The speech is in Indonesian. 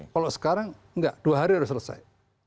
kalau sekarang enggak dua hari harus selesai